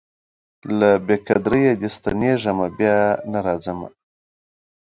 له بې قدریه دي ستنېږمه بیا نه راځمه